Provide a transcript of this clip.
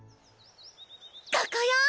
ここよ！